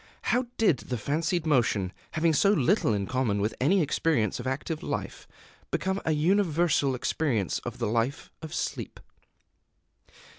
How did the fancied motion, having so little in common with any experience of active life, become a universal experience of the life of sleep?